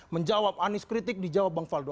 menjawab anies kritik dijawab bang faldo